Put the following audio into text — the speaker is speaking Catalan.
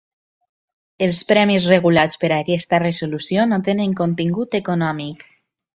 Els premis regulats per aquesta Resolució no tenen contingut econòmic.